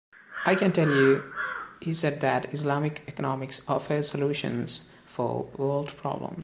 "I can tell you," he said that Islamic economics offers solutions for world problems.